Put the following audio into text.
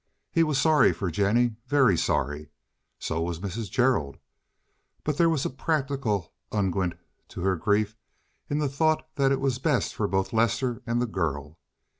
He was sorry for Jennie—very sorry. So was Mrs. Gerald; but there was a practical unguent to her grief in the thought that it was best for both Lester and the girl.